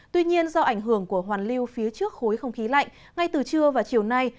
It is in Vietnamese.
tuy nhiên do ảnh hưởng của hoàn lưu phía trước khối không khí lạnh ngay từ trưa và chiều nay